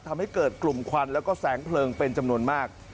ทำให้เกิดกลุ่มควันแล้วก็แสงเพลิงเป็นจำนวนมาก